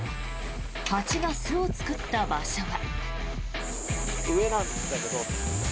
蜂が巣を作った場所は。